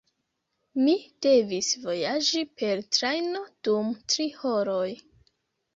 Mi devis vojaĝi per trajno dum tri horoj.